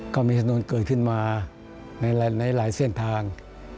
ก็มีถนนเกิดขึ้นมาในหลายเส้นทาง